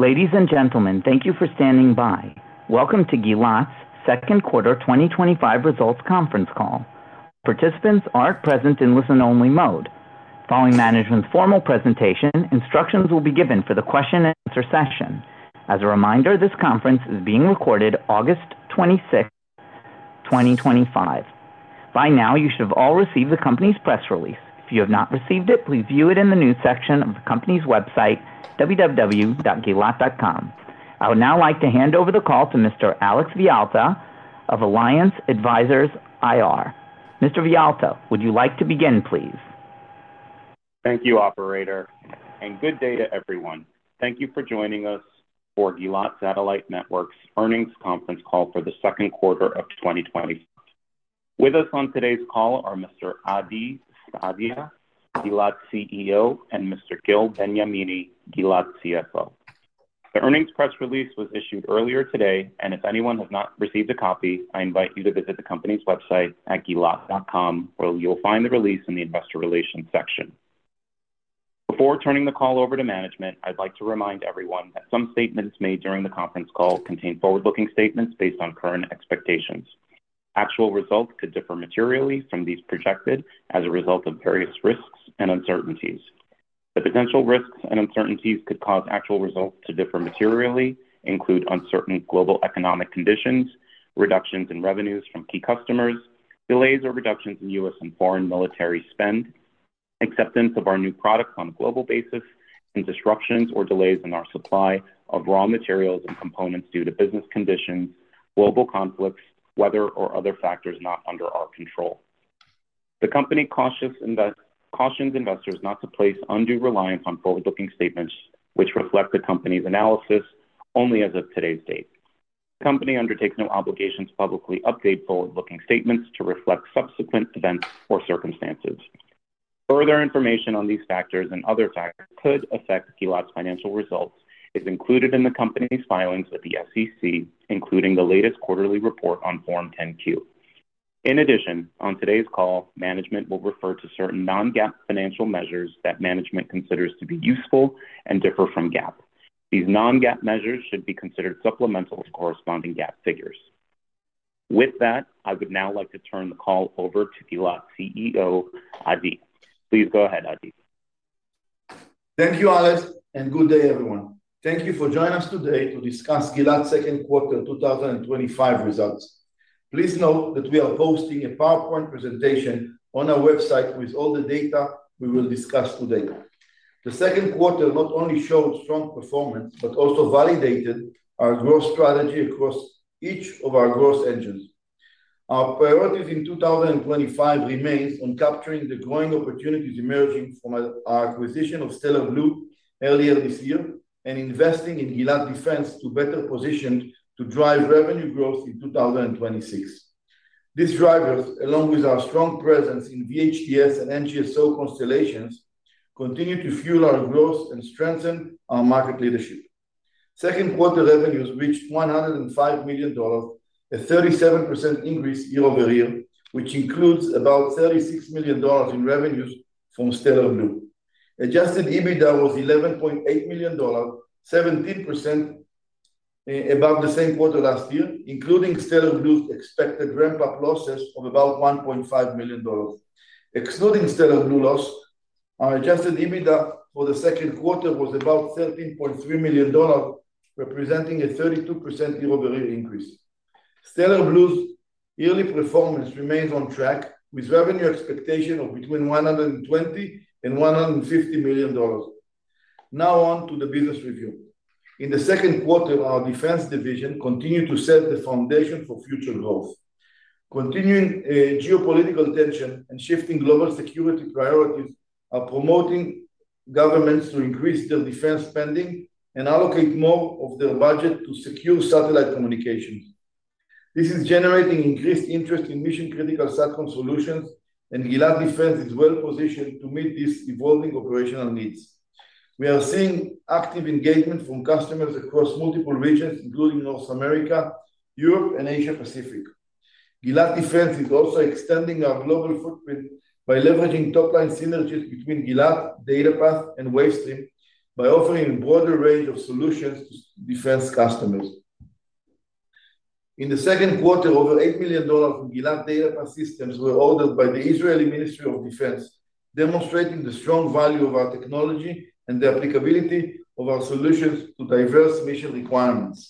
Ladies and gentlemen thank you for standing by. Welcome to Gilat's Second Quarter 2025 Results Conference Call. Participants are present in listen-only mode. Following management's formal presentation instructions will be given for the question-and-answer session. As a reminder this conference is being recorded August 26th, 2025. By now you should have all received the company's press release. If you have not received it please view it in the news section of the company's website www.gilat.com. I would now like to hand over the call to Mr. Alex Villalta of Alliance Advisors IR. Mr. Villalta would you like to begin please? Thank you operator and good day to everyone. Thank you for joining us for Gilat Satellite Networks Earnings Conference Call for the second quarter of 2025. With us on today's call are Mr. Adi Sfadia Gilat's CEO and Mr. Gil Benyamini Gilat's CFO. The earnings press release was issued earlier today and if anyone has not received a copy I invite you to visit the company's website at gilat.com where you'll find the release in the investor relations section. Before turning the call over to management I'd like to remind everyone that some statements made during the conference call contain forward-looking statements based on current expectations. Actual results could differ materially from these projected as a result of various risks and uncertainties. The potential risks and uncertainties that could cause actual results to differ materially include uncertain global economic conditions reductions in revenues from key customers delays or reductions in U.S. and foreign military spend acceptance of our new products on a global basis and disruptions or delays in our supply of raw materials and components due to business conditions global conflicts weather or other factors not under our control. The company cautions investors not to place undue reliance on forward-looking statements which reflect the company's analysis only as of today's date. The company undertakes no obligation to publicly update forward-looking statements to reflect subsequent events or circumstances. Further information on these factors and other factors that could affect Gilat's financial results is included in the company's filings with the SEC including the latest quarterly report on Form 10-Q. In addition on today's call management will refer to certain non-GAAP financial measures that management considers to be useful and differ from GAAP. These non-GAAP measures should be considered supplemental to corresponding GAAP figures. With that I would now like to turn the call over to Gilat CEO Adi. Please go ahead Adi. Thank you Alex and good day everyone. Thank you for joining us today to discuss Gilat's second quarter 2025 results. Please note that we are posting a PowerPoint presentation on our website with all the data we will discuss today. The second quarter not only showed strong performance but also validated our growth strategy across each of our growth engines. Our priorities in 2025 remains on capturing the growing opportunities emerging from our acquisition of Stellar Blu earlier this year and investing in Gilat Defense to better position to drive revenue growth in 2026. These drivers along with our strong presence in VHTS and NGSO constellations continue to fuel our growth and strengthen our market leadership. Second quarter revenues reached $105 million a 37% increase year-over-year which includes about $36 million in revenues from Stellar Blu. Adjusted EBITDA was $11.8 million 17% above the same quarter last year including Stellar Blu's expected ramp-up losses of about $1.5 million. Excluding Stellar Blu loss our adjusted EBITDA for the second quarter was about $13.3 million representing a 32% year-over-year increase. Stellar Blu's yearly performance remains on track with revenue expectations of between $120 million and $150 million. Now on to the business review. In the second quarter our Defense division continued to set the foundation for future growth. Continuing geopolitical tension and shifting global security priorities are promoting governments to increase their defense spending and allocate more of their budget to secure satellite communications. This is generating increased interest in mission-critical satcom solutions and Gilat Defense is well-positioned to meet these evolving operational needs. We are seeing active engagement from customers across multiple regions including North America Europe and Asia-Pacific. Gilat Defense is also extending our global footprint by leveraging top-line synergies between Gilat DataPath and Wavestream by offering a broader range of solutions to defense customers. In the second quarter over $8 million in Gilat DataPath systems were ordered by the Israeli Ministry of Defense demonstrating the strong value of our technology and the applicability of our solutions to diverse mission requirements.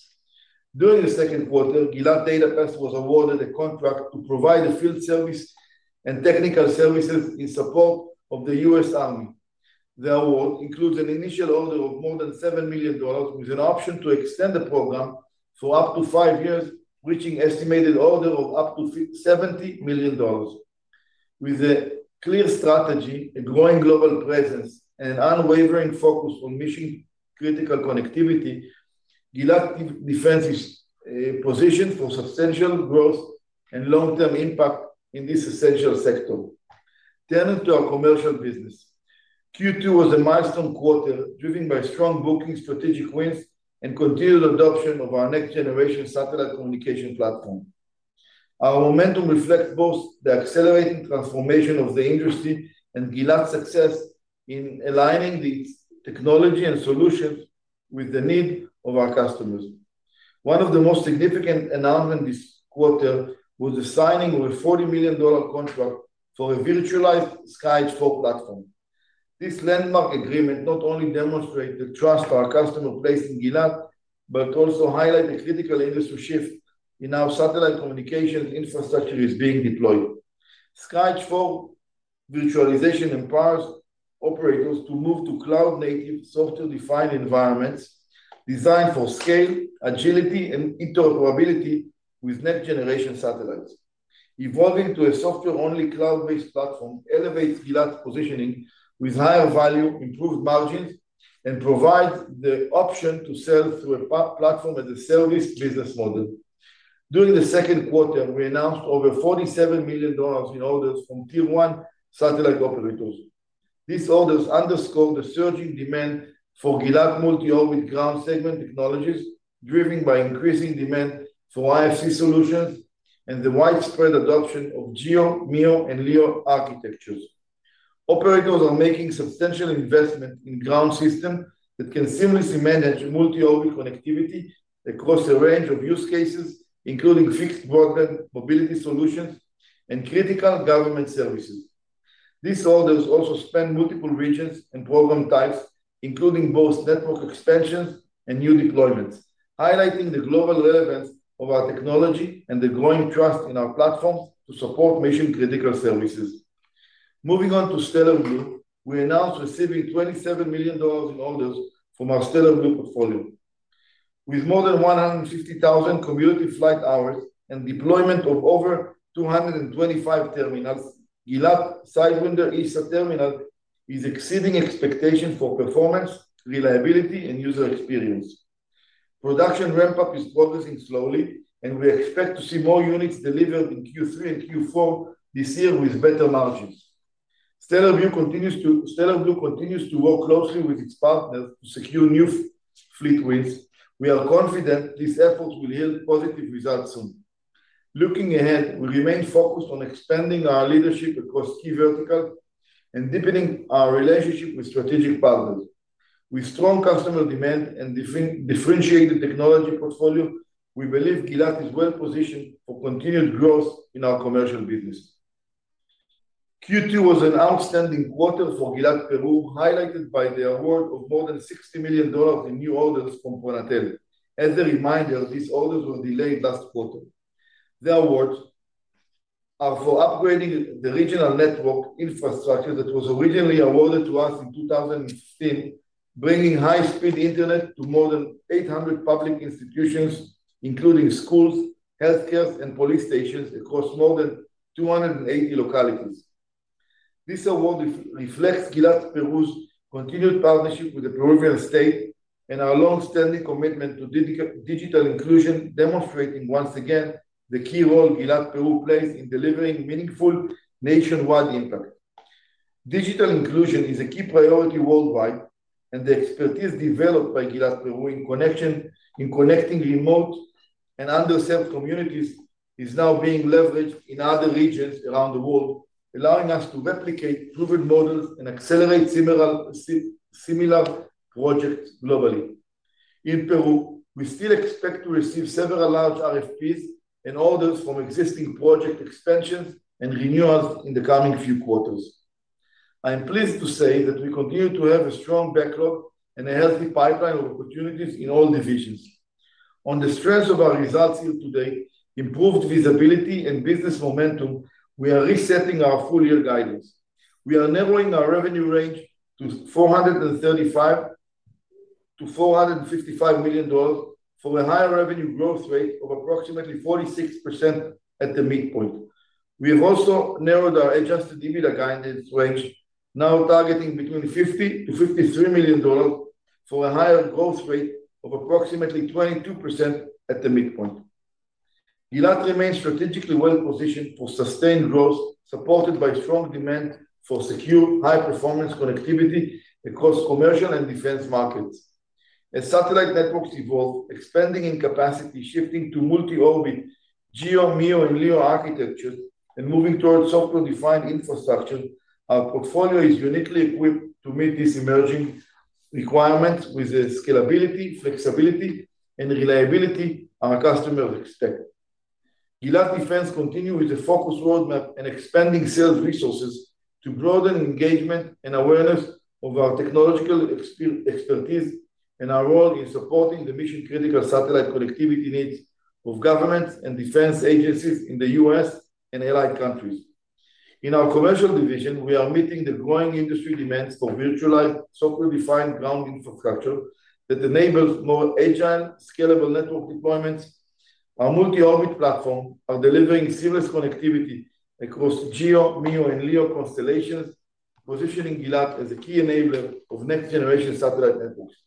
During the second quarter Gilat DataPath was awarded a contract to provide field service and technical services in support of the U.S. Army. The award includes an initial order of more than $7 million with an option to extend the program for up to five years reaching an estimated order of up to $70 million. With a clear strategy a growing global presence and an unwavering focus on mission-critical connectivity Gilat Defense is positioned for substantial growth and long-term impact in this essential sector. Turning to our commercial business. Q2 was a milestone quarter driven by strong booking strategic wins and continued adoption of our next-generation satellite communication platform. Our momentum reflects both the accelerating transformation of the industry and Gilat's success in aligning the technology and solutions with the needs of our customers. One of the most significant announcements this quarter was the signing of a $40 million contract for a virtualized SkyEdge IV platform. This landmark agreement not only demonstrates the trust our customers place in Gilat but also highlights a critical industry shift in how satellite communication infrastructure is being deployed. SkyEdge IV virtualization empowers operators to move to cloud-native software-defined environments designed for scale agility and interoperability with next-generation satellites. Evolving to a software-only cloud-based platform elevates Gilat's positioning with higher value improved margins and provides the option to sell through a platform-as-a-service business model. During the second quarter we announced over $47 million in orders from Tier 1 satellite operators. These orders underscore the surging demand for Gilat multi-orbit ground segment technologies driven by increasing demand for IFC solutions and the widespread adoption of GEO MEO and LEO architectures. Operators are making substantial investments in ground systems that can seamlessly manage multi-orbit connectivity across a range of use cases including fixed broadband mobility solutions and critical government services. These orders also span multiple regions and program types including both network expansions and new deployments highlighting the global relevance of our technology and the growing trust in our platform to support mission-critical services. Moving on to Stellar Blu we announced receiving $27 million in orders from our Stellar Blu portfolio. With more than 150,000 cumulative flight hours and deployment of over 225 terminals Gilat's Sidewinder ESA terminal is exceeding expectations for performance reliability and user experience. Production ramp-up is progressing slowly and we expect to see more units delivered in Q3 and Q4 this year with better margins. Stellar Blu continues to work closely with its partners to secure new fleet wins. We are confident these efforts will yield positive results soon. Looking ahead we remain focused on expanding our leadership across key verticals and deepening our relationship with strategic partners. With strong customer demand and a differentiated technology portfolio we believe Gilat is well-positioned for continued growth in our commercial business. Q2 was an outstanding quarter for Gilat Peru highlighted by the award of more than $60 million in new orders from Pronatel. As a reminder these orders were delayed last quarter. The awards are for upgrading the regional network infrastructure that was originally awarded to us in 2016 bringing high-speed internet to more than 800 public institutions including schools healthcare and police stations across more than 280 localities. This award reflects Gilat Peru's continued partnership with the Peruvian government and our longstanding commitment to digital inclusion demonstrating once again the key role Gilat Peru plays in delivering meaningful nationwide impact. Digital inclusion is a key priority worldwide and the expertise developed by Gilat Peru in connecting remote and underserved communities is now being leveraged in other regions around the world allowing us to replicate proven models and accelerate similar projects globally. In Peru we still expect to receive several large RFPs and orders from existing project expansions and renewals in the coming few quarters. I am pleased to say that we continue to have a strong backlog and a healthy pipeline of opportunities in all divisions. On the strengths of our results here today improved visibility and business momentum we are resetting our full-year guidance. We are narrowing our revenue range to $435 million-$455 million for a higher revenue growth rate of approximately 46% at the midpoint. We have also narrowed our adjusted EBITDA guidance range now targeting between $50 million-$53 million for a higher growth rate of approximately 22% at the midpoint. Gilat remains strategically well-positioned for sustained growth supported by strong demand for secure high-performance connectivity across commercial and defense markets. As satellite networks evolve expanding in capacity shifting to multi-orbit GEO MEO and LEO architectures and moving towards software-defined infrastructure our portfolio is uniquely equipped to meet these emerging requirements with the scalability flexibility and reliability our customers expect. Gilat Defense continues with a focused roadmap and expanding sales resources to broaden engagement and awareness of our technological expertise and our role in supporting the mission-critical satellite connectivity needs of governments and defense agencies in the U.S. and allied countries. In our commercial division we are meeting the growing industry demands for virtualized software-defined ground infrastructure that enables more agile scalable network deployments. Our multi-orbit platform are delivering seamless connectivity across GEO MEO and LEO constellations positioning Gilat as a key enabler of next-generation satellite networks.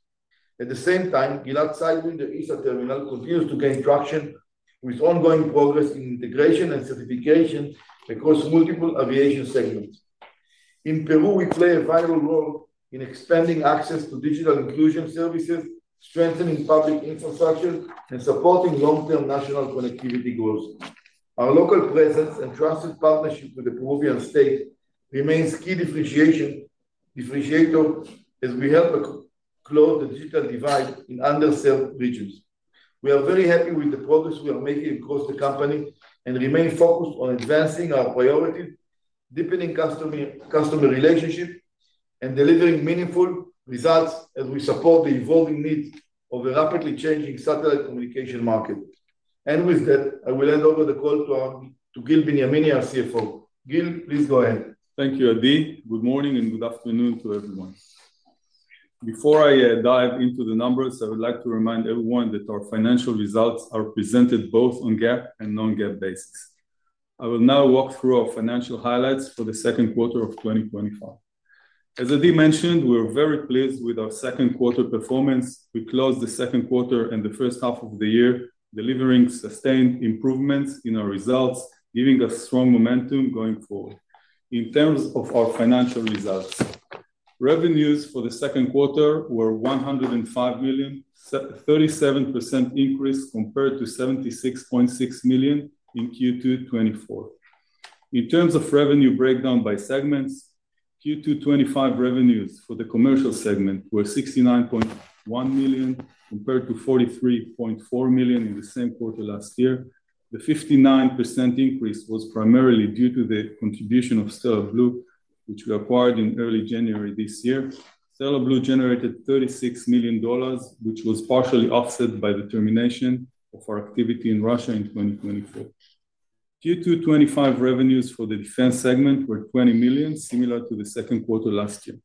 At the same time Gilat's Sidewinder ESA terminal continues to gain traction with ongoing progress in integration and certification across multiple aviation segments. In Peru we play a vital role in expanding access to digital inclusion services strengthening public infrastructure and supporting long-term national connectivity goals. Our local presence and trusted partnership with the Peruvian state remains a key differentiator as we help close the digital divide in underserved regions. We are very happy with the progress we are making across the company and remain focused on advancing our priorities deepening customer relationships and delivering meaningful results as we support the evolving needs of a rapidly changing satellite communication market. With that I will hand over the call to Gil Benyamini our CFO. Gil please go ahead. Thank you Adi. Good morning and good afternoon to everyone. Before I dive into the numbers I would like to remind everyone that our financial results are presented both on GAAP and non-GAAP basis. I will now walk through our financial highlights for the second quarter of 2025. As Adi mentioned we're very pleased with our second quarter performance. We closed the second quarter and the first half of the year delivering sustained improvements in our results giving us strong momentum going forward. In terms of our financial results revenues for the second quarter were $105 million a 37% increase compared to $76.6 million in Q2 2024. In terms of revenue breakdown by segments Q2 2025 revenues for the commercial segment were $69.1 million compared to $43.4 million in the same quarter last year. The 59% increase was primarily due to the contribution of Stellar Blu which we acquired in early January this year. Stellar Blu generated $36 million which was partially offset by the termination of our activity in Russia in 2024. Q2 2025 revenues for the Defense segment were $20 million similar to the second quarter last year.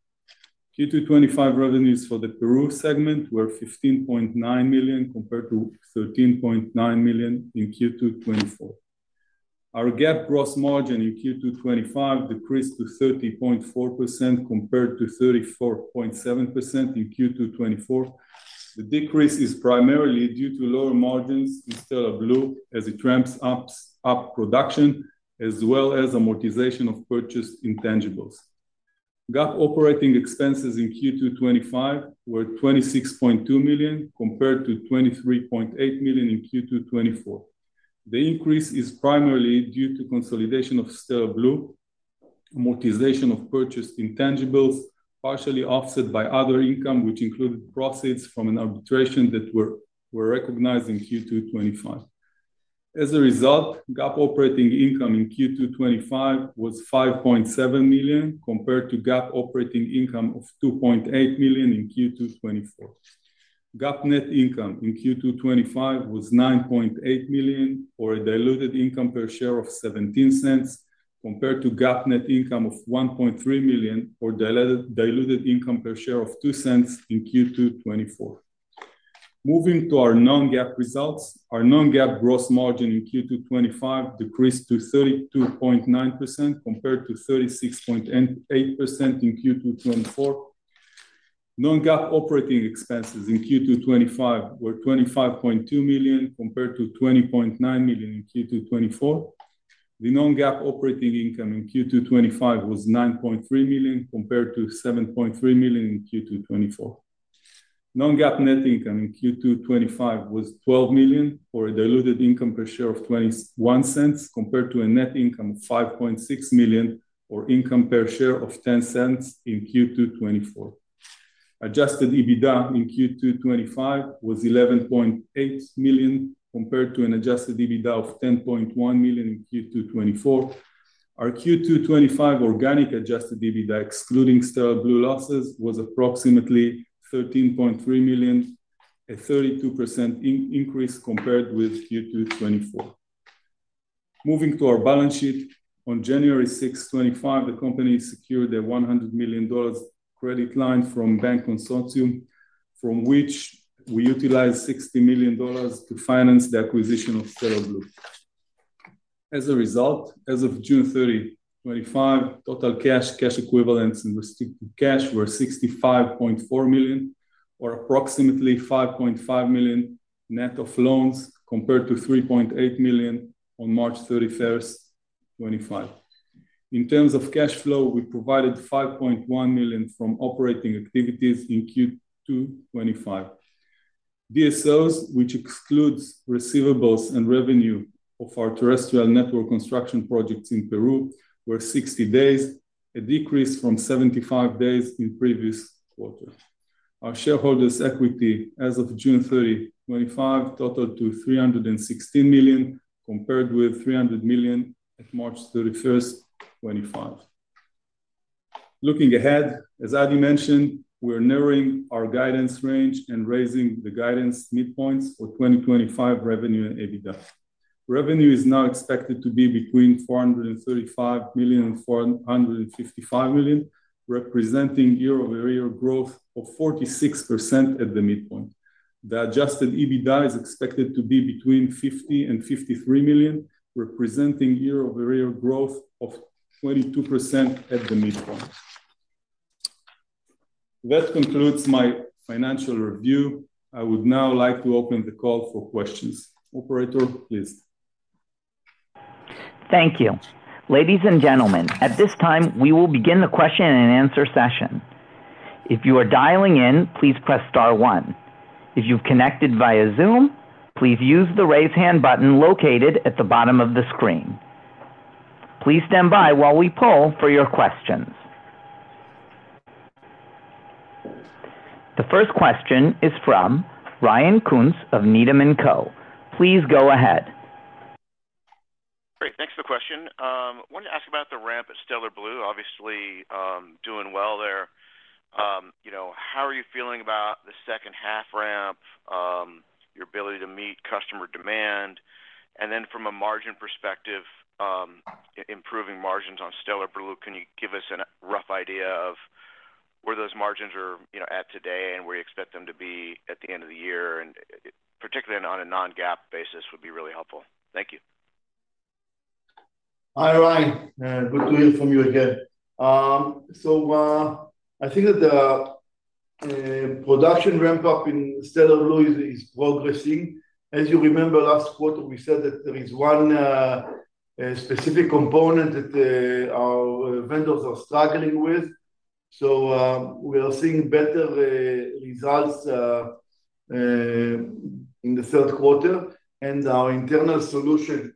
Q2 2025 revenues for the Peru segment were $15.9 million compared to $13.9 million in Q2 2024. Our GAAP gross margin in Q2 2025 decreased to 30.4% compared to 34.7% in Q2 2024. The decrease is primarily due to lower margins in Stellar Blu as it ramps up production as well as amortization of purchased intangibles. GAAP operating expenses in Q2 2025 were $26.2 million compared to $23.8 million in Q2 2024. The increase is primarily due to consolidation of Stellar Blu amortization of purchased intangibles partially offset by other income which included profits from an arbitration that were recognized in Q2 2025. As a result GAAP operating income in Q2 2025 was $5.7 million compared to GAAP operating income of $2.8 million in Q2 2024. GAAP net income in Q2 2025 was $9.8 million or a diluted income per share of $0.17 compared to GAAP net income of $1.3 million or a diluted income per share of $0.02 in Q2 2024. Moving to our non-GAAP results our non-GAAP gross margin in Q2 2025 decreased to 32.9% compared to 36.8% in Q2 2024. Non-GAAP operating expenses in Q2 2025 were $25.2 million compared to $20.9 million in Q2 2024. The non-GAAP operating income in Q2 2025 was $9.3 million compared to $7.3 million in Q2 2024. Non-GAAP net income in Q2 2025 was $12 million or a diluted income per share of $0.21 compared to a net income of $5.6 million or income per share of $0.10 in Q2 2024. Adjusted EBITDA in Q2 2025 was $11.8 million compared to an adjusted EBITDA of $10.1 million in Q2 2024. Our Q2 2025 organic adjusted EBITDA excluding Stellar Blu losses was approximately $13.3 million a 32% increase compared with Q2 2024. Moving to our balance sheet on January 6th 2025 the company secured a $100 million credit line from the bank consortium from which we utilized $60 million to finance the acquisition of Stellar Blu. As a result as of June 30, 2025 total cash cash equivalents and restricted cash were $65.4 million or approximately $5.5 million net of loans compared to $3.8 million on March 31st, 2025. In terms of cash flow we provided $5.1 million from operating activities in Q2 2025. DSOs which exclude receivables and revenue of our terrestrial network construction projects in Peru were 60 days a decrease from 75 days in previous quarter. Our shareholders' equity as of June 30, 2025 totaled $316 million compared with $300 million at March 31st, 2025. Looking ahead as Adi mentioned we're narrowing our guidance range and raising the guidance midpoints for 2025 revenue and EBITDA. Revenue is now expected to be between $435 million and $455 million representing year-over-year growth of 46% at the midpoint. The adjusted EBITDA is expected to be between $50 million and $53 million representing year-over-year growth of 22% at the midpoint. That concludes my financial review. I would now like to open the call for questions. Operator please. Thank you. Ladies and gentlemen at this time we will begin the question-and-answer session. If you are dialing in please press star one. If you've connected via Zoom please use the raise hand button located at the bottom of the screen. Please stand by while we poll for your questions. The first question is from Ryan Koontz of Needham & Co. Please go ahead. Great. Thanks for the question. I wanted to ask about the ramp at Stellar Blu. Obviously doing well there. How are you feeling about the second half ramp your ability to meet customer demand? From a margin perspective improving margins on Stellar Blu can you give us a rough idea of where those margins are at today and where you expect them to be at the end of the year? Particularly on a non-GAAP basis would be really helpful. Thank you. Hi Ryan. Good to hear from you again. I think that the production ramp-up in Stellar Blu is progressing. As you remember last quarter we said that there is one specific component that our vendors are struggling with. We are seeing better results in the third quarter and our internal solution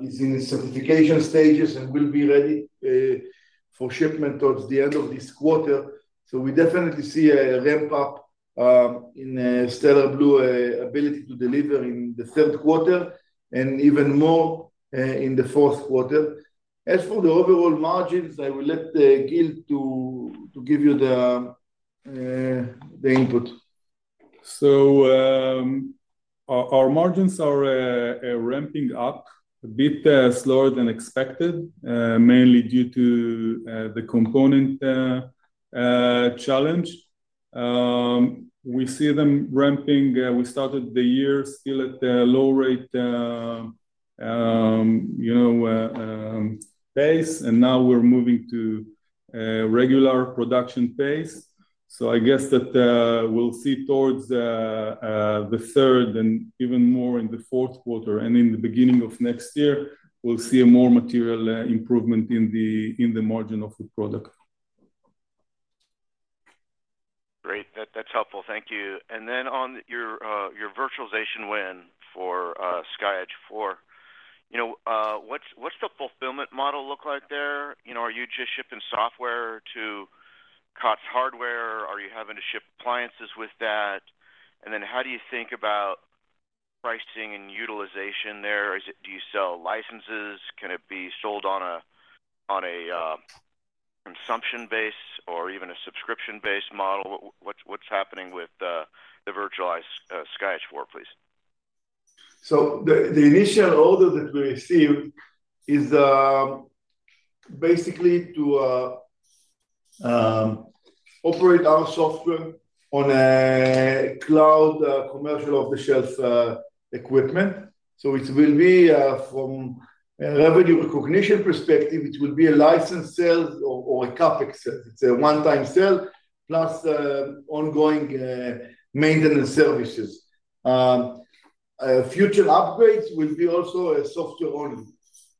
is in certification stages and will be ready for shipment towards the end of this quarter. We definitely see a ramp-up in Stellar Blu ability to deliver in the third quarter and even more in the fourth quarter. As for the overall margins I will let Gil give you the input. Our margins are ramping up a bit slower than expected mainly due to the component challenge. We see them ramping. We started the year still at a low rate pace and now we're moving to a regular production pace. I guess that we'll see towards the third and even more in the fourth quarter and in the beginning of next year we'll see a more material improvement in the margin of the product. Great. That's helpful. Thank you. On your virtualization win for SkyEdge IV what's the fulfillment model look like there? Are you just shipping software to COTS hardware? Are you having to ship appliances with that? How do you think about pricing and utilization there? Do you sell licenses? Can it be sold on a consumption-based or even a subscription-based model? What's happening with the virtualized SkyEdge IV please? The initial order that we received is basically to operate our software on a cloud commercial-off-the-shelf equipment. It will be from a revenue recognition perspective a license sale or a CapEx sale. It's a one-time sale plus ongoing maintenance services. Future upgrades will be also software-only.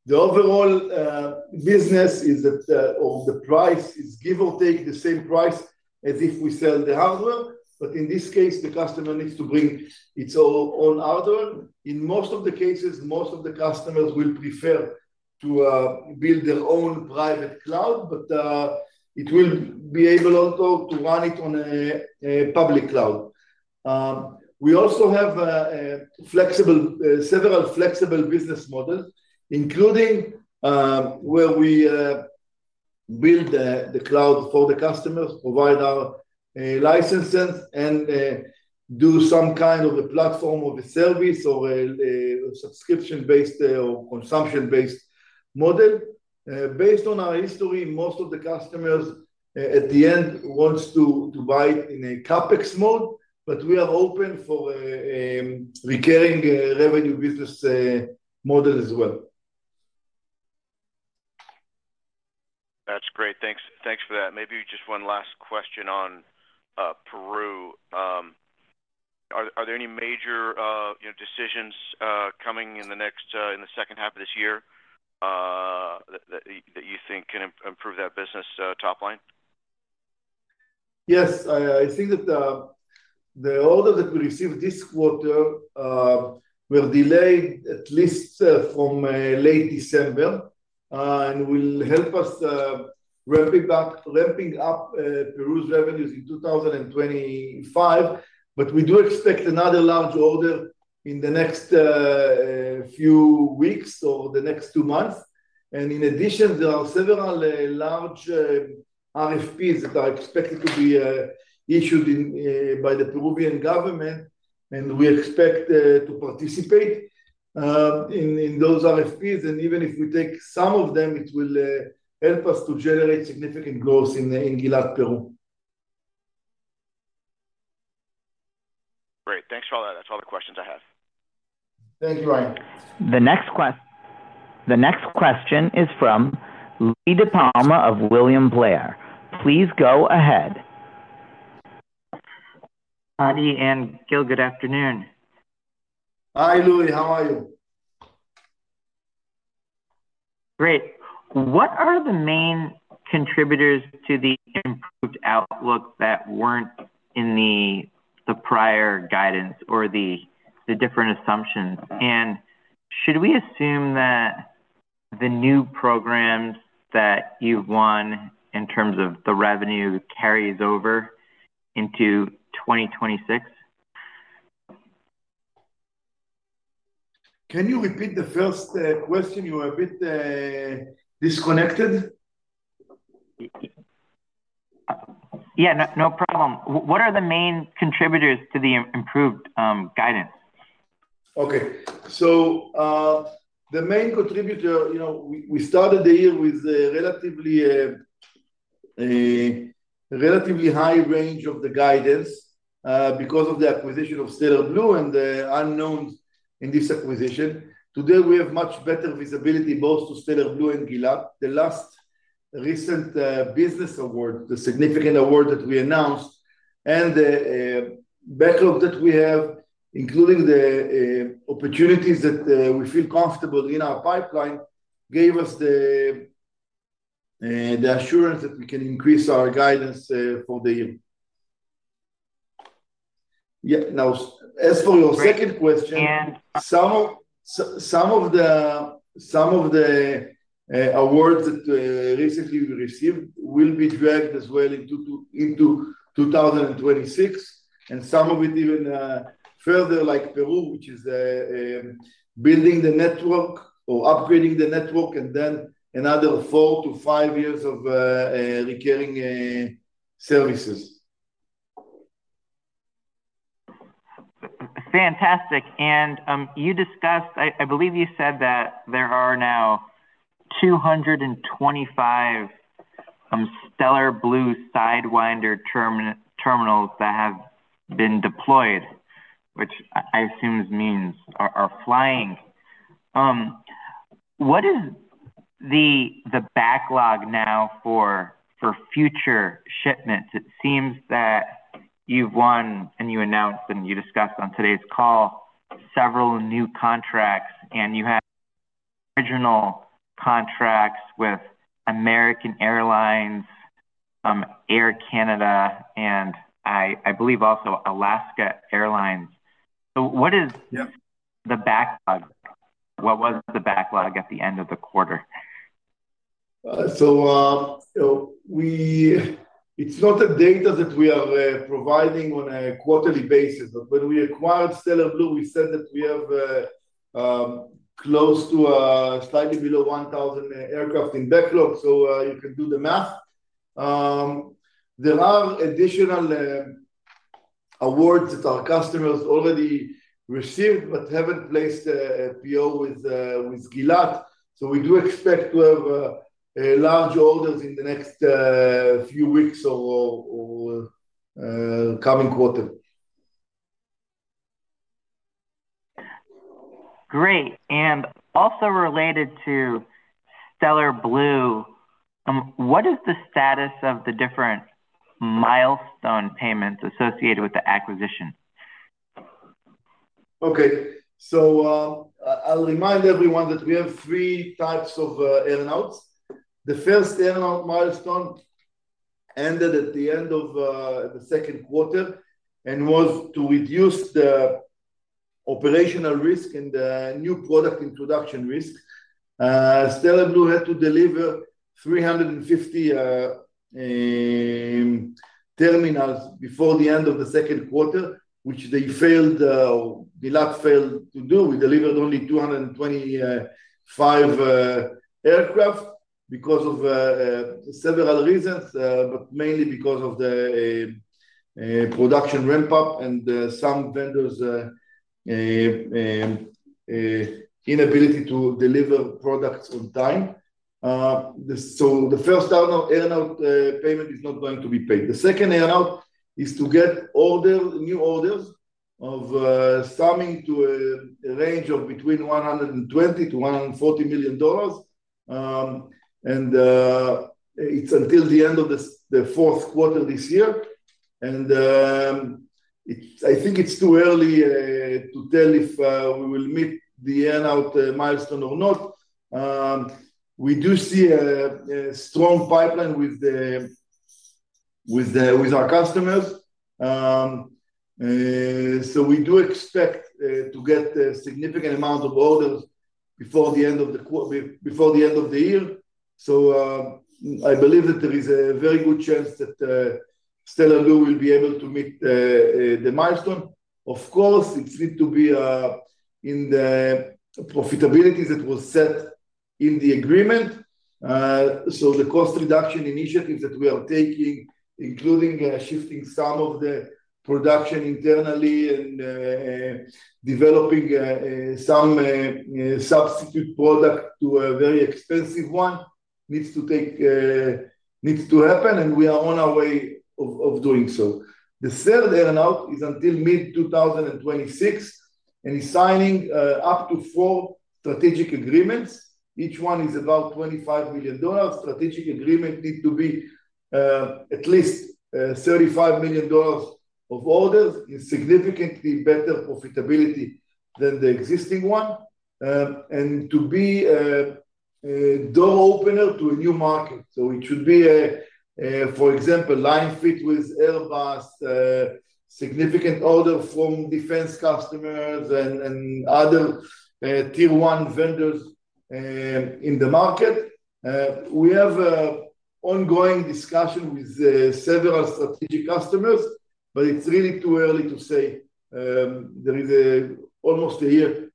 The overall business is that the price is give or take the same price as if we sell the hardware but in this case the customer needs to bring its own hardware. In most of the cases most of the customers will prefer to build their own private cloud but it will be able also to run it on a public cloud. We also have several flexible business models including where we build the cloud for the customers provide our licenses and do some kind of a platform of a service or a subscription-based or consumption-based model. Based on our history most of the customers at the end wants to buy it in a CapEx mode but we are open for a recurring revenue business model as well. That's great. Thanks for that. Maybe just one last question on Peru. Are there any major decisions coming in the second half of this year that you think can improve that business top line? Yes. I think that the order that we received this quarter will delay at least from late December and will help us ramping up Peru's revenues in 2025. We do expect another large order in the next few weeks or the next two months. In addition there are several large RFPs that are expected to be issued by the Peruvian government and we expect to participate in those RFPs. Even if we take some of them it will help us to generate significant growth in Gilat Peru. Great. Thanks for all that. That's all the questions I have. Thank you Ryan. The next question is from Louie DiPalma of William Blair. Please go ahead. Adi and Gil good afternoon. Hi Louie. How are you? Great. What are the main contributors to the improved outlook that weren't in the prior guidance or the different assumptions? Should we assume that the new programs that you've won in terms of the revenue carry over into 2026? Can you repeat the first question? You were a bit disconnected. Yeah no problem. What are the main contributors to the improved guidance? Okay. The main contributor you know we started the year with a relatively high range of the guidance because of the acquisition of Stellar Blu and the unknown in this acquisition. Today we have much better visibility both to Stellar Blu and Gilat. The last recent business award the significant award that we announced and the backlog that we have including the opportunities that we feel comfortable in our pipeline gave us the assurance that we can increase our guidance for the year. Now as for your second question some of the awards that recently we received will be dragged as well into 2026 and some of it even further like Peru which is building the network or upgrading the network and then another four years-five years of recurring services. Fantastic. You discussed I believe you said that there are now 225 Stellar Blu Sidewinder ESA terminals that have been deployed which I assume means are flying. What is the backlog now for future shipments? It seems that you've won and you announced and you discussed on today's call several new contracts and you have regional contracts with American Airlines Air Canada and I believe also Alaska Airlines. What is the backlog? What was the backlog at the end of the quarter? It's not the data that we are providing on a quarterly basis but when we acquired Stellar Blu we said that we have close to slightly below 1,000 aircraft in backlog. You can do the math. There are additional awards that our customers already received but haven't placed a PO with Gilat. We do expect to have large orders in the next few weeks or coming quarter. Great. Also related to Stellar Blu what is the status of the different milestone payments associated with the acquisition? Okay. I'll remind everyone that we have three types of earnouts. The first earnout milestone ended at the end of the second quarter and was to reduce the operational risk and the new product introduction risk. Stellar Blu had to deliver 350 terminals before the end of the second quarter which they failed or Gilat failed to do. We delivered only 225 aircraft because of several reasons mainly because of the production ramp-up and some vendors' inability to deliver products on time. The first earnout payment is not going to be paid. The second earnout is to get new orders of summing to a range of between $120 million-$140 million and it's until the end of the fourth quarter this year. I think it's too early to tell if we will meet the earnout milestone or not. We do see a strong pipeline with our customers. We do expect to get a significant amount of orders before the end of the year. I believe that there is a very good chance that Stellar Blu will be able to meet the milestone. Of course it needs to be in the profitability that was set in the agreement. The cost reduction initiatives that we are taking including shifting some of the production internally and developing some substitute products to a very expensive one need to happen and we are on our way of doing so. The third earnout is until mid-2026 and is signing up to four strategic agreements. Each one is about $25 million. Strategic agreements need to be at least $35 million of orders in significantly better profitability than the existing one and to be a door opener to a new market. It should be for example line fit with Airbus a significant order from defense customers and other Tier 1 vendors in the market. We have an ongoing discussion with several strategic customers but it's really too early to say. There is almost a year.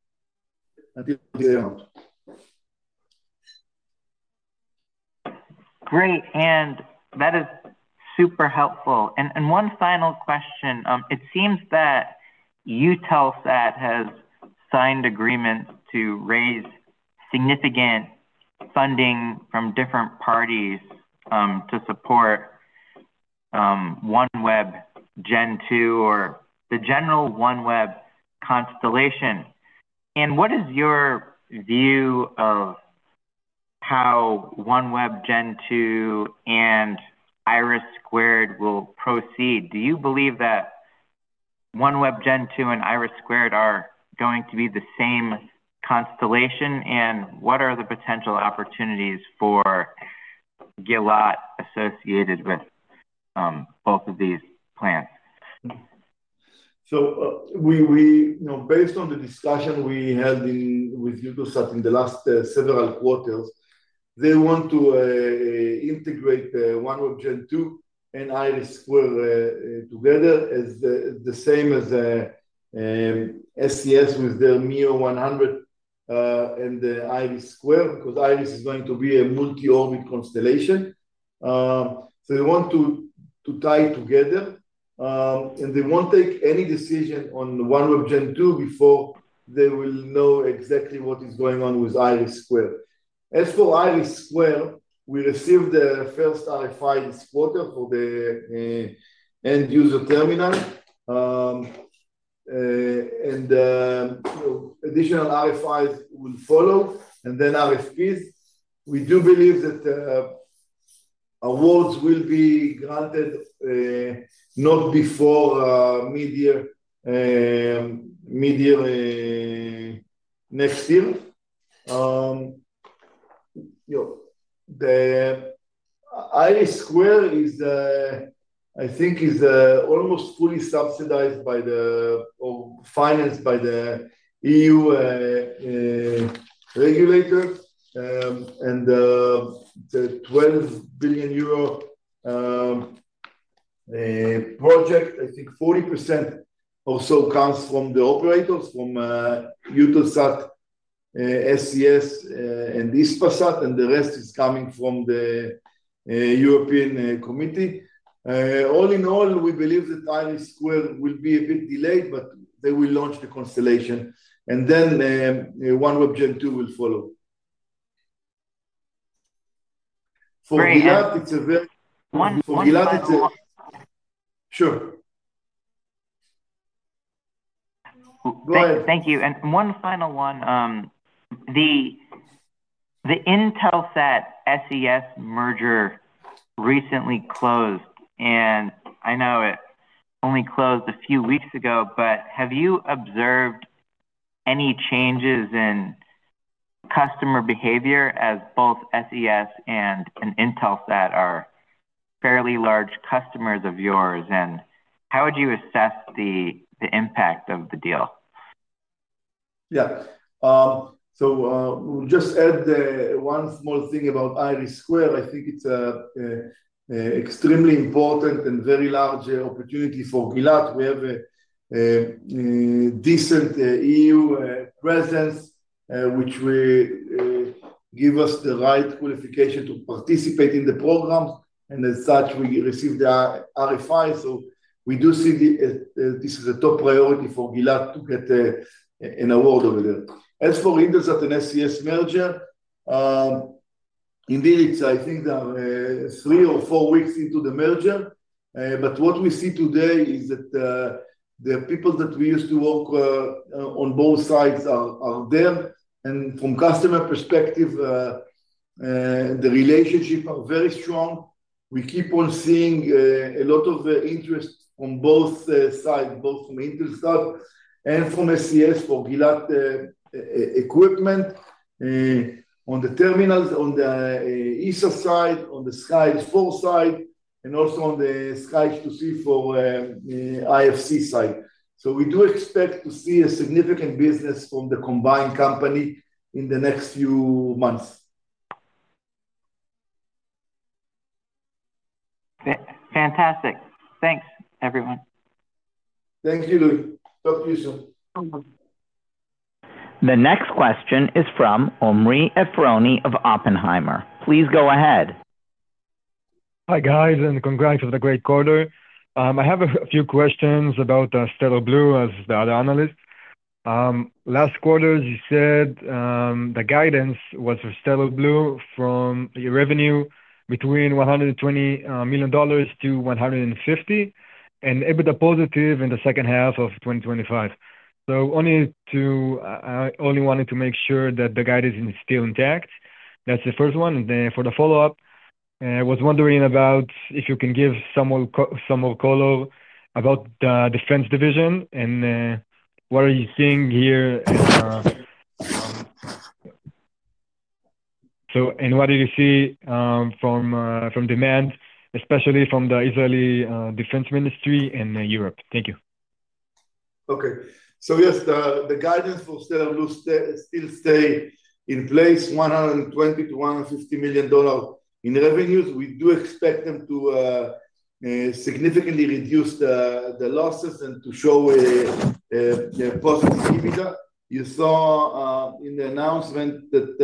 Great. That is super helpful. One final question. It seems that Eutelsat has signed an agreement to raise significant funding from different parties to support OneWeb Gen 2 or the general OneWeb constellation. What is your view of how OneWeb Gen 2 and IRIS² will proceed? Do you believe that OneWeb Gen 2 and IRIS² are going to be the same constellation? What are the potential opportunities for Gilat associated with both of these plans? Based on the discussion we held with Eutelsat in the last several quarters they want to integrate OneWeb Gen 2 and IRIS² together the same as SES with their MEO-100 and IRIS² because IRIS is going to be a multi-orbit constellation. They want to tie together and they won't take any decision on OneWeb Gen 2 before they will know exactly what is going on with IRIS². As for IRIS² we received the first RFI this quarter for the end-user terminal and additional RFIs will follow and then RFPs. We do believe that awards will be granted not before mid-year next year. IRIS² is I think almost fully subsidized or financed by the EU regulators and the 12 billion euro project I think 40% or so comes from the operators from Eutelsat SES and Hispasat and the rest is coming from the European Committee. All in all we believe that IRIS² will be a bit delayed but they will launch the constellation and then OneWeb Gen 2 will follow. Great. Gilat it's a very. One final question. Sure. Go ahead. Thank you. One final one. The Intelsat-SES merger recently closed and I know it only closed a few weeks ago but have you observed any changes in customer behavior as both SES and Intelsat are fairly large customers of yours? How would you assess the impact of the deal? Yeah. We'll just add one small thing about IRIS². I think it's an extremely important and very large opportunity for Gilat. We have a decent EU presence which will give us the right qualification to participate in the programs. As such we received the RFI. We do see that this is a top priority for Gilat to get an award over there. As for Intelsat and SES merger indeed I think they are three or four weeks into the merger. What we see today is that the people that we used to work on both sides are there. From a customer perspective the relationships are very strong. We keep on seeing a lot of interest on both sides both from Intelsat and from SES for Gilat equipment on the terminals on the ISA side on the SkyEdge IV side and also on the SkyEdge II-c for IFC side. We do expect to see significant business from the combined company in the next few months. Fantastic. Thanks everyone. Thank you Louie. Talk to you soon. The next question is from Omri Efroni of Oppenheimer. Please go ahead. Hi guys and congrats for the great quarter. I have a few questions about Stellar Blu as the other analyst. Last quarter as you said the guidance was for Stellar Blu for revenue between $120 million-$150 million and EBITDA positive in the second half of 2025. I only wanted to make sure that the guidance is still intact. That's the first one. For the follow-up I was wondering if you can give some more color about the Defense division and what you are seeing here. What did you see from demand especially from the Israeli Defense Ministry and Europe? Thank you. Okay. Yes the guidance for Stellar Blu still stays in place $120 million-$150 million in revenues. We do expect them to significantly reduce the losses and to show positive EBITDA. You saw in the announcement that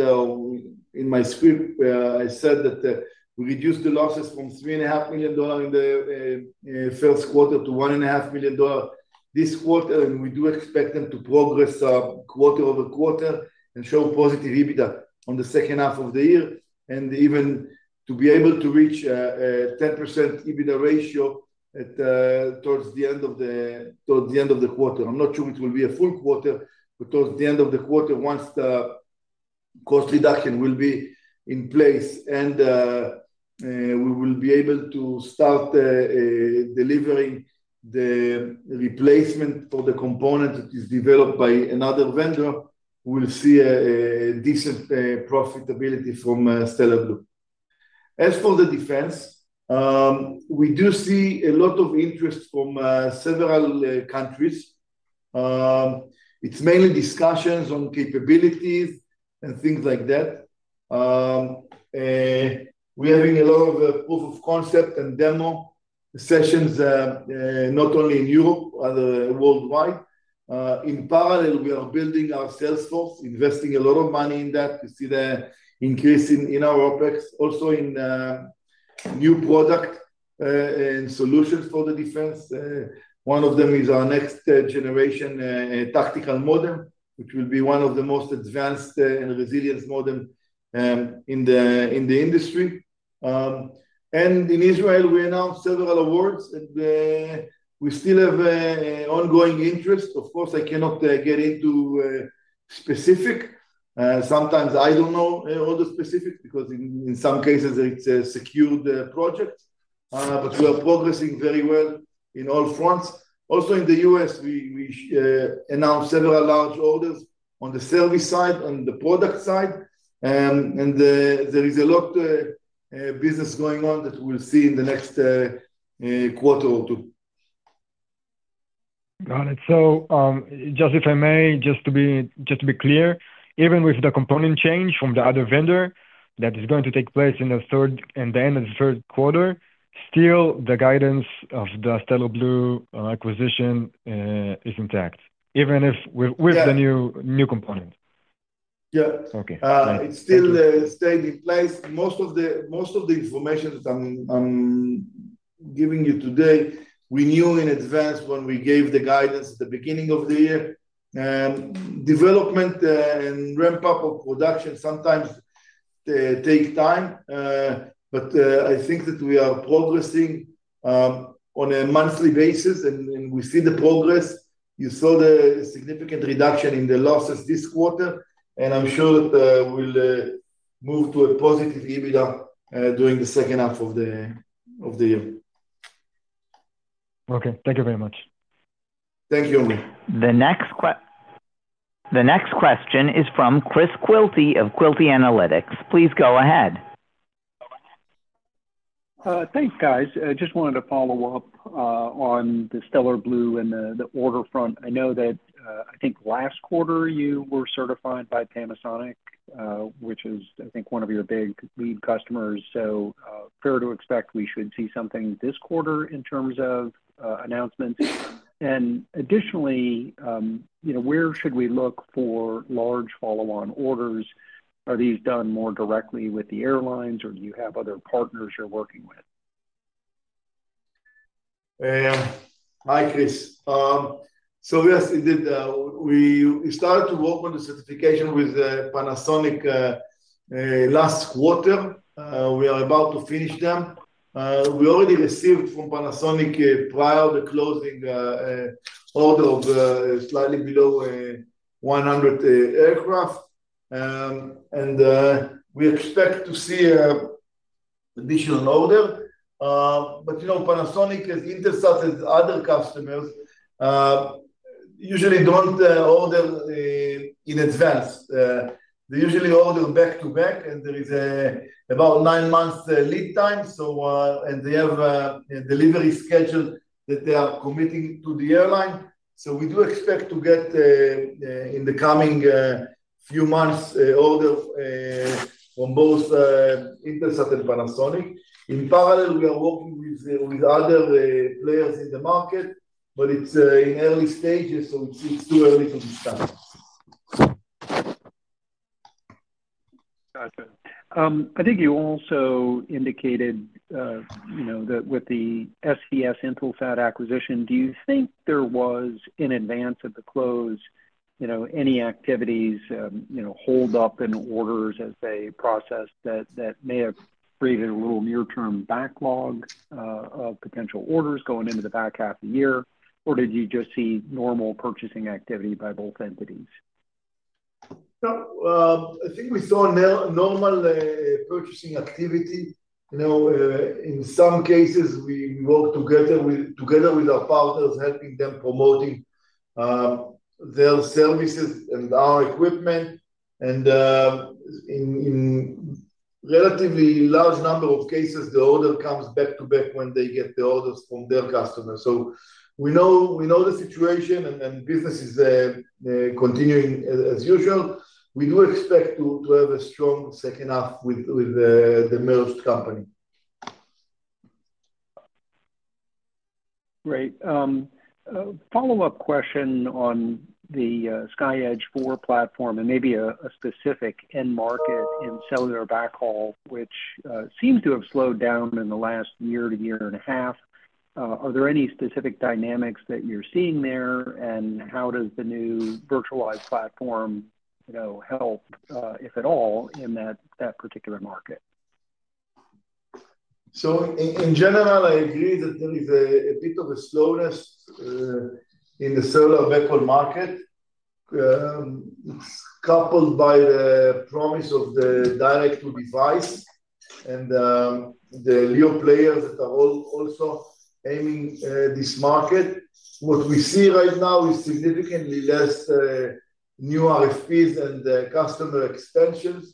in my script where I said that we reduced the losses from $3.5 million in the first quarter to $1.5 million this quarter and we do expect them to progress quarter-over-quarter and show positive EBITDA in the second half of the year and even to be able to reach a 10% EBITDA ratio towards the end of the quarter. I'm not sure it will be a full quarter but towards the end of the quarter once the cost reduction will be in place and we will be able to start delivering the replacement for the component that is developed by another vendor we'll see a decent profitability from Stellar Blu. As for the Defense we do see a lot of interest from several countries. It's mainly discussions on capabilities and things like that. We're having a lot of proof of concept and demo sessions not only in Europe but worldwide. In parallel we are building our sales force investing a lot of money in that. We see the increase in our OpEx also in new product and solutions for the defense. One of them is our next-generation tactical modem which will be one of the most advanced and resilient modem in the industry. In Israel we announced several awards and we still have ongoing interest. Of course I cannot get into specifics. Sometimes I don't know all the specifics because in some cases it's a secured project but we are progressing very well in all fronts. Also in the U.S. we announced several large orders on the service side on the product side and there is a lot of business going on that we'll see in the next quarter or two. Got it. Just to be clear even with the component change from the other vendor that is going to take place in the third and the end of the third quarter still the guidance of the Stellar Blu acquisition is intact even if with the new component. Yeah. Okay. It's still staying in place. Most of the information that I'm giving you today we knew in advance when we gave the guidance at the beginning of the year. Development and ramp-up of production sometimes take time but I think that we are progressing on a monthly basis and we see the progress. You saw the significant reduction in the losses this quarter and I'm sure that we'll move to a positive EBITDA during the second half of the year. Okay thank you very much. Thank you Omri. The next question is from Chris Quilty of Quilty Analytics. Please go ahead. Thanks guys. I just wanted to follow up on the Stellar Blu and the order front. I know that I think last quarter you were certified by Panasonic which is I think one of your big lead customers. Is it fair to expect we should see something this quarter in terms of announcements? Additionally where should we look for large follow-on orders? Are these done more directly with the airlines or do you have other partners you're working with? Hi Chris. Yes we started to work on the certification with Panasonic last quarter. We are about to finish them. We already received from Panasonic prior to closing an order of slightly below 100 aircraft and we expect to see an additional order. Panasonic Intelsat and other customers usually don't order in advance. They usually order back-to-back and there is about nine months lead time and they have a delivery schedule that they are committing to the airline. We do expect to get in the coming few months orders from both Intelsat and Panasonic. In parallel we are working with other players in the market but it's in early stages so it's too early to discuss. Got you. I think you also indicated that with the SES-Intelsat acquisition do you think there was in advance of the close any activities hold-up in orders as they processed that that may have created a little near-term backlog of potential orders going into the back half of the year? Or did you just see normal purchasing activity by both entities? I think we saw normal purchasing activity. In some cases we work together with our partners helping them promote their services and our equipment. In a relatively large number of cases the order comes back-to-back when they get the orders from their customers. We know the situation and business is continuing as usual. We do expect to have a strong second half with the merged company. Great. Follow-up question on the SkyEdge IV platform and maybe a specific end market in cellular backhaul which seemed to have slowed down in the last year to year-and-a-half. Are there any specific dynamics that you're seeing there and how does the new virtualized platform you know help if at all in that particular market? In general I agree that there is a bit of a slowness in the cellular backhaul market coupled by the promise of the direct-to-device and the LEO players that are also aiming this market. What we see right now is significantly less new RFPs and customer extensions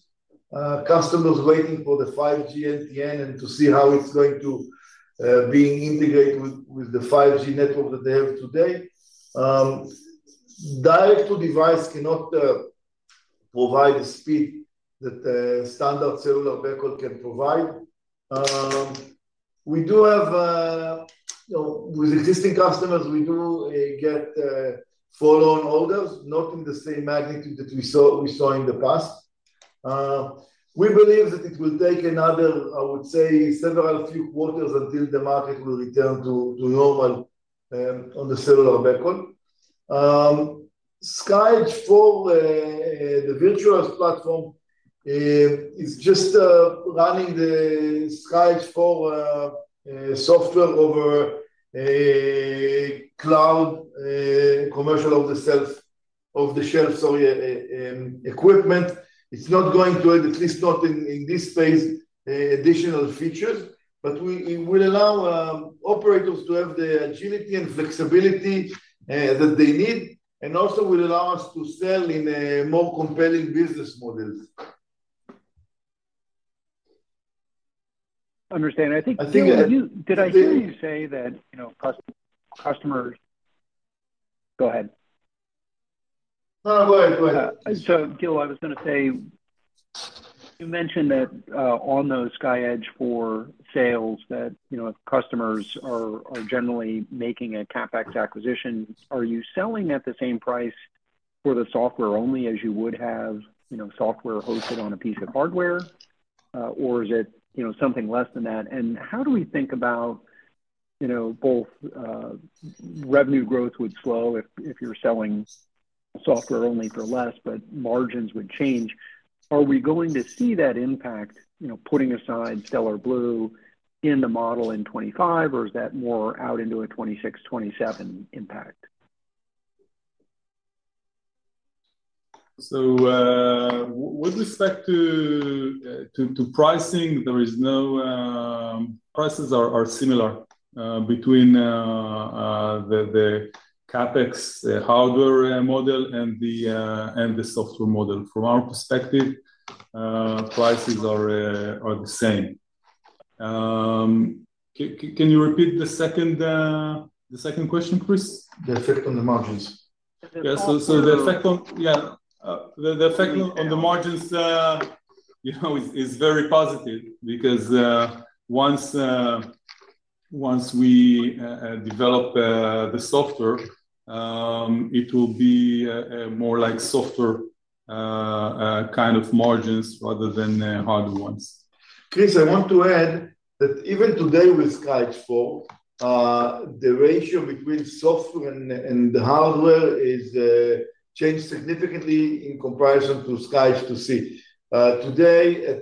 customers waiting for the 5G NTN and to see how it's going to be integrated with the 5G network that they have today. Direct-to-device cannot provide the speed that standard cellular backhaul can provide. We do have with existing customers we do get follow-on orders not in the same magnitude that we saw in the past. We believe that it will take another I would say several few quarters until the market will return to normal on the cellular backhaul. SkyEdge IV the virtual platform is just running the SkyEdge IV software over cloud commercial-off-the-shelf equipment. It's not going to add at least not in this phase additional features but it will allow operators to have the agility and flexibility that they need and also will allow us to sell in more compelling business models. Understand I think. I think. Did I hear you say that customers go ahead. No go ahead. Go ahead. Gil you mentioned that on those SkyEdge IV sales that if customers are generally making a CapEx acquisition are you selling at the same price for the software only as you would have software hosted on a piece of hardware? Or is it something less than that? How do we think about both revenue growth would slow if you're selling software only for less but margins would change? Are we going to see that impact putting aside Stellar Blu in the model in 2025 or is that more out into a 2026 2027 impact? With respect to pricing prices are similar between the CapEx hardware model and the software model. From our perspective prices are the same. Can you repeat the second question Chris? The effect on the margins. Yeah. The effect on the margins is very positive because once we develop the software it will be more like software kind of margins rather than hard ones. Chris I want to add that even today with SkyEdge IV the ratio between software and hardware has changed significantly in comparison to SkyEdge II-c. Today at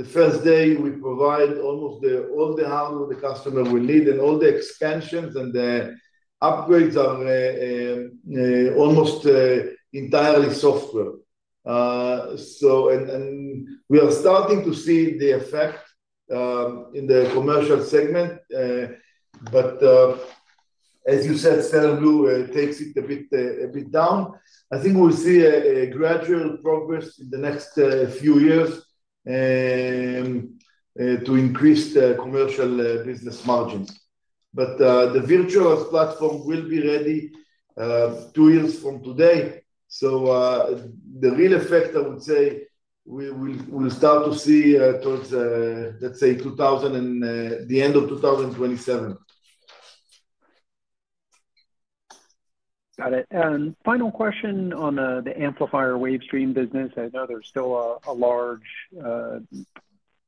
the first day we provide almost all the hardware the customer will need and all the expansions and the upgrades are almost entirely software. We are starting to see the effect in the commercial segment. As you said Stellar Blu takes it a bit down. I think we'll see a gradual progress in the next few years to increase commercial business margins. The virtual platform will be ready two years from today. The real effect I would say we'll start to see towards let's say the end of 2027. Got it. Final question on the amplifier Wavestream business. I know there's still a large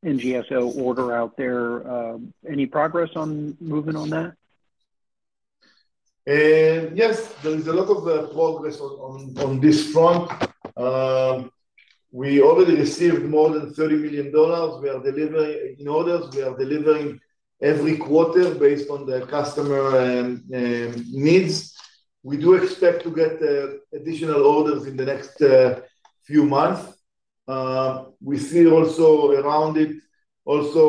NGSO order out there. Any progress on moving on that? Yes. There is a lot of progress on this front. We already received more than $30 million in orders. We are delivering every quarter based on the customer needs. We do expect to get additional orders in the next few months. We see also around it also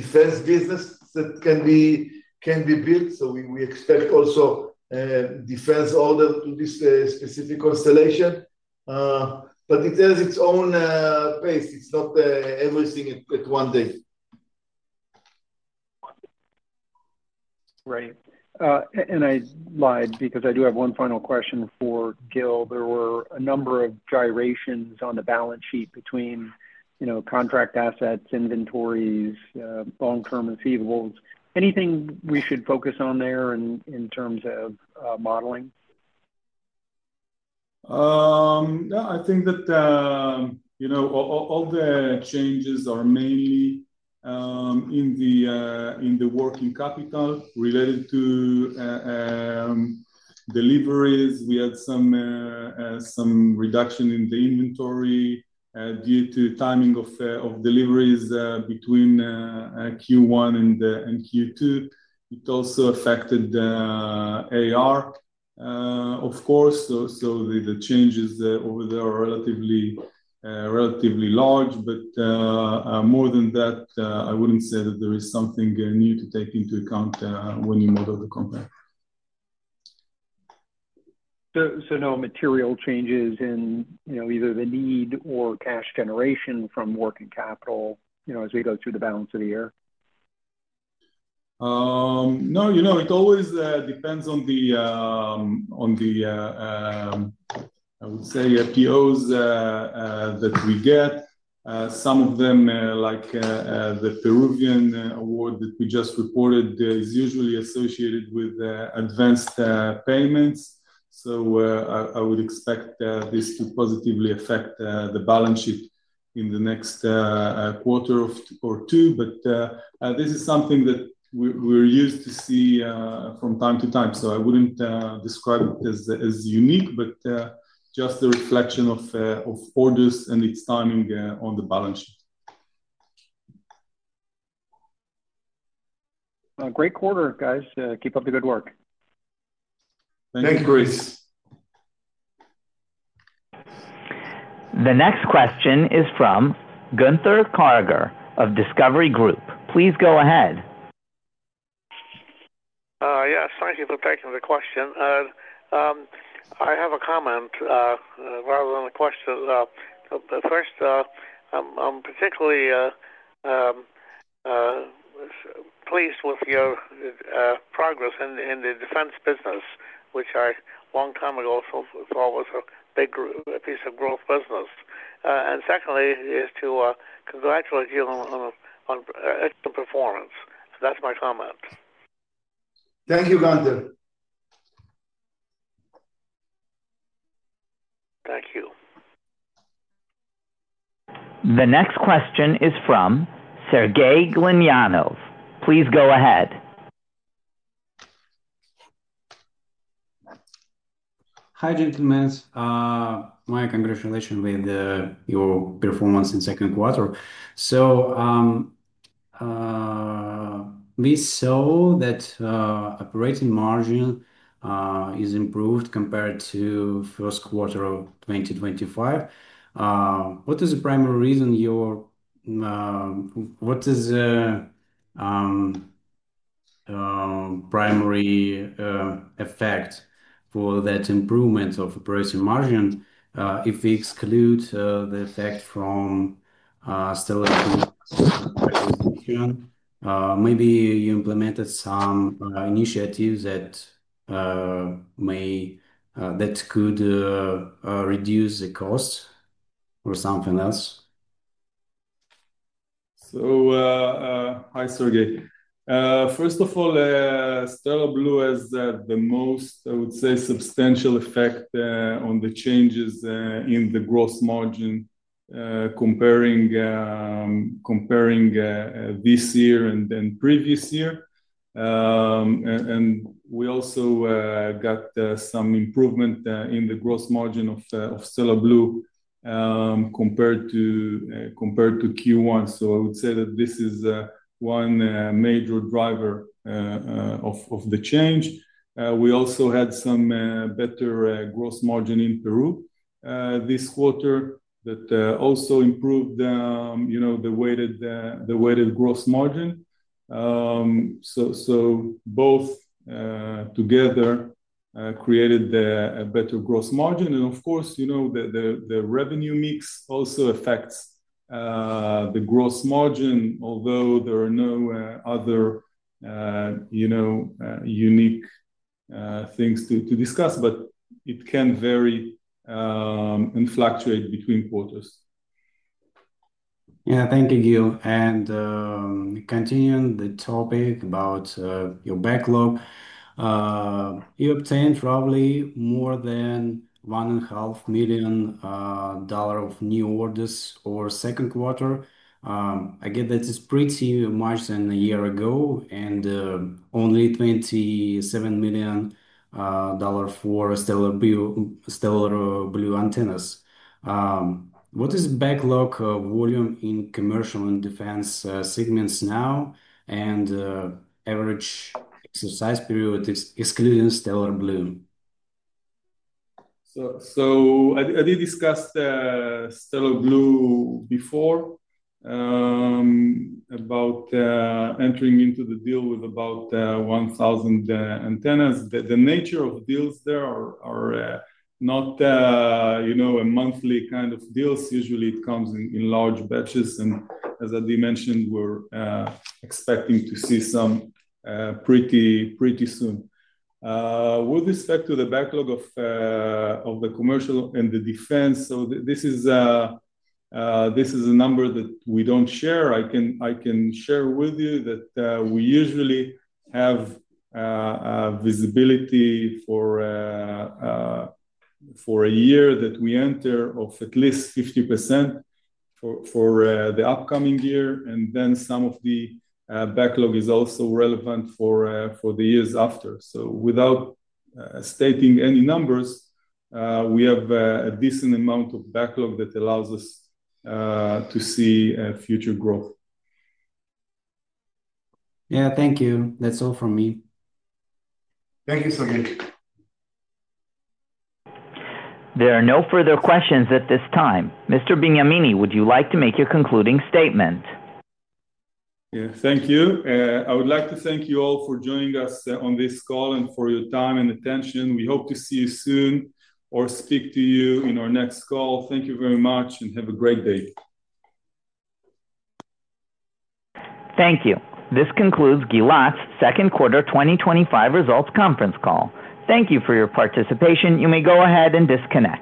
Defense business that can be built. We expect also Defense orders to this specific constellation. It has its own pace. It's not everything at one day. Great. I lied because I do have one final question for Gil. There were a number of gyrations on the balance sheet between you know contract assets inventories long-term receivables. Anything we should focus on there in terms of modeling? I think that you know all the changes are mainly in the working capital related to deliveries. We had some reduction in the inventory due to timing of the deliveries between Q1 and Q2. It also affected the AR of course. The changes over there are relatively large. More than that I wouldn't say that there is something new to take into account when you model the company. No material changes in you know either the need or cash generation from working capital you know as we go through the balance of the year? No. You know it always depends on the I would say POs that we get. Some of them like the Peruvian award that we just reported is usually associated with advanced payments. I would expect this to positively affect the balance sheet in the next quarter or two. This is something that we're used to see from time to time. I wouldn't describe it as unique but just a reflection of orders and its timing on the balance sheet. Great quarter guys. Keep up the good work. Thank you Chris. The next question is from Gunther Karger of Discovery Group. Please go ahead. Yes. Thank you for taking the question. I have a comment rather than a question. First I'm particularly pleased with your progress in the Defense business which I a long time ago thought was a big piece of growth business. Secondly it is to congratulate you on excellent performance. That's my comment. Thank you Gunther. Thank you. The next question is from Sergey Glinyanov. Please go ahead. Hi gentlemen. My congratulations with your performance in second quarter. We saw that operating margin is improved compared to first quarter of 2025. What is the primary reason what is the primary effect for that improvement of operating margin if we exclude the effect from Stellar Blu? Maybe you implemented some initiatives that could reduce the cost or something else. Hi Sergey. First of all Stellar Blu has the most I would say substantial effect on the changes in the gross margin comparing this year and previous year. We also got some improvement in the gross margin of Stellar Blu compared to Q1. I would say that this is one major driver of the change. We also had some better gross margin in Peru this quarter that also improved the weighted gross margin. Both together created a better gross margin. Of course you know the revenue mix also affects the gross margin although there are no other unique things to discuss but it can vary and fluctuate between quarters. Thank you Gil. Continuing the topic about your backlog you obtained probably more than $1.5 million of new orders for second quarter. I get that it's pretty much more than a year ago and only $27 million for Stellar Blu antennas. What is the backlog volume in commercial and defense segments now and average subsidy period excluding Stellar Blu? I did discuss Stellar Blu before about entering into the deal with about 1,000 antennas. The nature of deals there are not you know a monthly kind of deals. Usually it comes in large batches. As Adi mentioned we're expecting to see some pretty soon. With respect to the backlog of the commercial and the defense this is a number that we don't share. I can share with you that we usually have visibility for a year that we enter of at least 50% for the upcoming year. Some of the backlog is also relevant for the years after. Without stating any numbers we have a decent amount of backlog that allows us to see future growth. Yeah thank you. That's all from me. Thank you Sergey. There are no further questions at this time. Mr. Benyamini would you like to make your concluding statement? Thank you. I would like to thank you all for joining us on this call and for your time and attention. We hope to see you soon or speak to you in our next call. Thank you very much and have a great day. Thank you. This concludes Gilat's second quarter 2025 results conference call. Thank you for your participation. You may go ahead and disconnect.